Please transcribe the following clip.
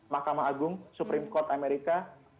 mahkamah agung supreme court amerika